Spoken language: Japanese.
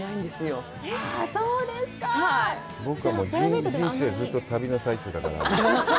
僕は人生、ずっと旅の途中だから。